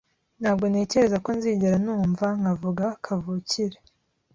Ntabwo ntekereza ko nzigera numva nkavuga kavukire.